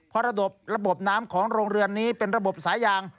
เพราะระบบระบบน้ำของโรงเรือนนี้เป็นระบบสายาง